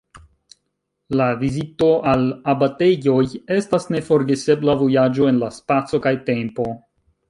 La vizito al abatejoj estas neforgesebla vojaĝo en la spaco kaj tempo.